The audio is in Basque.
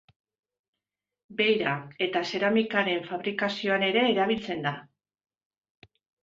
Beira eta zeramikaren fabrikazioan ere erabiltzen da.